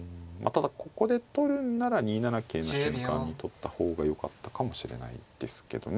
ただここで取るんなら２七桂の瞬間に取った方がよかったかもしれないんですけどね。